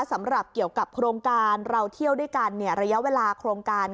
สำหรับเกี่ยวกับโครงการเราเที่ยวด้วยกันระยะเวลาโครงการ